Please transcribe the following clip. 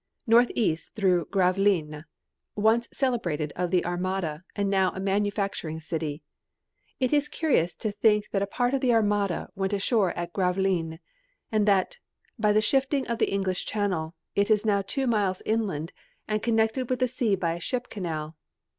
Northeast through Gravelines, once celebrated of the Armada and now a manufacturing city. It is curious to think that a part of the Armada went ashore at Gravelines, and that, by the shifting of the English Channel, it is now two miles inland and connected with the sea by a ship canal.